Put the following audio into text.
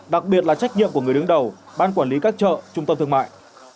đặc biệt là trách nhiệm của người đứng đầu ban quản lý các chợ trung tâm thương mại